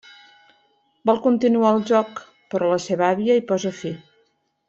Vol continuar el joc però la seva àvia hi posa fi.